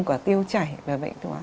của tiêu chảy và bệnh tiêu hóa